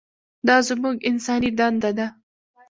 دا زموږ انساني دنده ده.